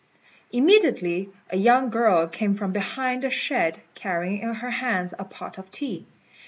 Immediately a young girl came from behind the shed, carrying in her hands a pot of tea.